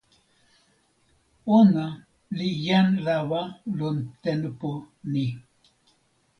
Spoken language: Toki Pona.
ona li jan lawa lon tenpo ni.